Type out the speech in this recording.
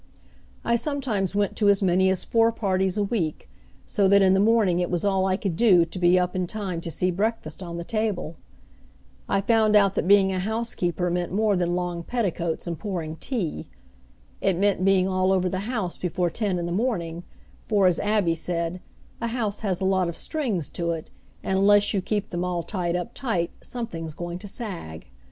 I sometimes went to as many as four parties a week, so that in the morning it was all I could do to be up in time to see breakfast on the table. I found out that being a housekeeper meant more than long petticoats, and pouring tea. It meant being all over the house before ten in the morning, for, as Abby said, a house has a lot of strings to it, and unless you keep them all tied up tight something's going to sag.